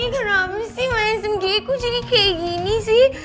kenapa sih mansum gary jadi kayak gini sih